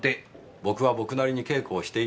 僕は僕なりに稽古をしているんです。